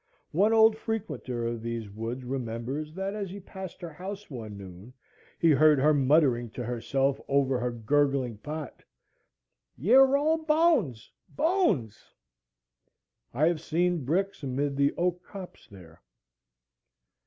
One old frequenter of these woods remembers, that as he passed her house one noon he heard her muttering to herself over her gurgling pot,—"Ye are all bones, bones!" I have seen bricks amid the oak copse there.